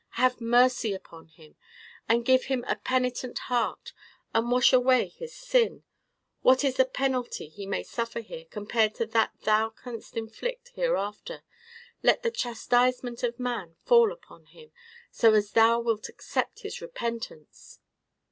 Have mercy upon him, and give him a penitent heart, and wash away his sin. What is the penalty he may suffer here, compared to that Thou canst inflict hereafter? Let the chastisement of man fall upon him, so as Thou wilt accept his repentance!"